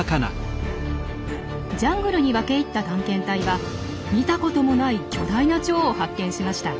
ジャングルに分け入った探検隊は見たこともない巨大なチョウを発見しました。